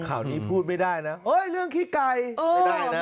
ข่าวนี้พูดไม่ได้นะเอ้ยเรื่องขี้ไก่ไม่ได้นะ